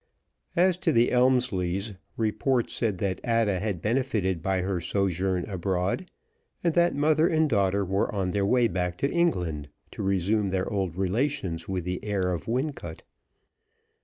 As to the Elmslies, report said that Ada had benefited by her sojourn abroad, and that mother and daughter were on their way back to England to resume their old relations with the heir of Wincot.